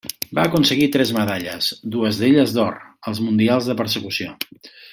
Va aconseguir tres medalles, dues d'elles d'or, als Mundials de persecució.